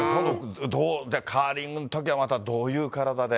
カーリングのときはまたどういう体で。